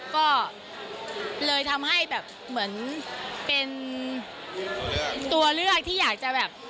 ก็เลยทำให้แบบเหมือนเป็นตัวเลือกที่อยากจะแบบ